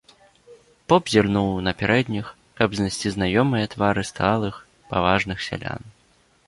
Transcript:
Поп зірнуў на пярэдніх, каб знайсці знаёмыя твары сталых, паважных сялян.